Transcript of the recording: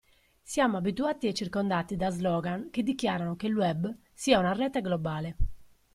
Siamo abituati e circondati da slogan che dichiarano che il web sia una rete globale.